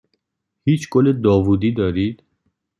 هیچ گل داوودی دارید؟